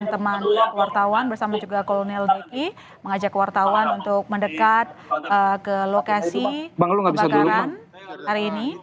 teman wartawan bersama juga kolonel di mengajak wartawan untuk mendekat ke lokasi kebakaran hari ini